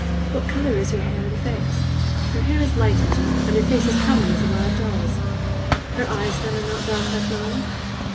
What colour is her hair and face?' 'Her hair is lightish, and her face as comely as a live doll's.' 'Her eyes, then, are not dark like mine?